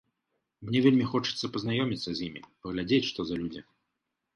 Мне вельмі хочацца пазнаёміцца з імі, паглядзець, што за людзі.